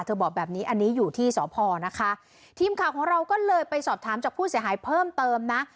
บอกแบบนี้อันนี้อยู่ที่สพนะคะทีมข่าวของเราก็เลยไปสอบถามจากผู้เสียหายเพิ่มเติมนะ